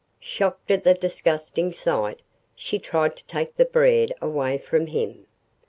Shocked at the disgusting sight, she tried to take the bread away from him.